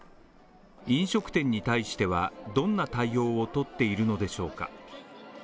飲食店に対してはどんな対応をとっているのでしょうか？